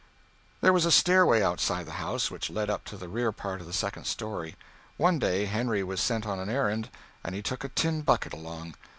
There was a stairway outside the house, which led up to the rear part of the second story. One day Henry was sent on an errand, and he took a tin bucket along.